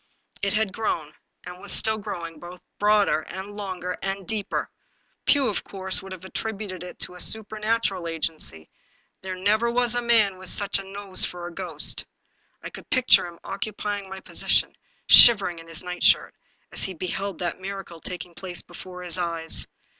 It had grown, and still was growing, both broader, and longer, and deeper. Pugh, of course, would have attributed it to supernatural agency; there never was a man with such a nose for a ghost. I could picture him occupying my posi tion, shivering in his nightshirt, as he beheld that miracle taking place before his eyes.